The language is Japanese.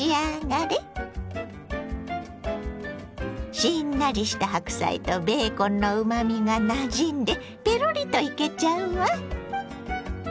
しんなりした白菜とベーコンのうまみがなじんでペロリといけちゃうわ。